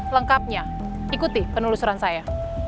lengkapnya ikuti penelusuran saya